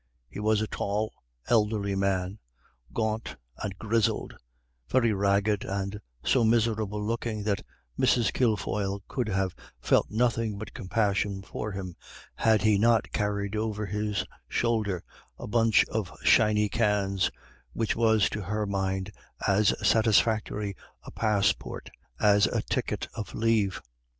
He was a tall, elderly man, gaunt and grizzled, very ragged, and so miserable looking that Mrs. Kilfoyle could have felt nothing but compassion for him had he not carried over his shoulder a bunch of shiny cans, which was to her mind as satisfactory a passport as a ticket of leave.